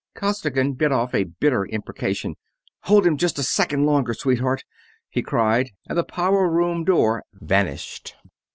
Costigan bit off a bitter imprecation. "Hold him just a second longer, sweetheart!" he cried, and the power room door vanished.